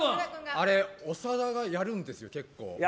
長田がやるんですよ、結構。